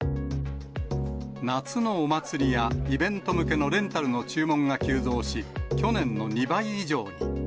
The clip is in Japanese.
夏のお祭りやイベント向けのレンタルの注文が急増し、去年の２倍以上に。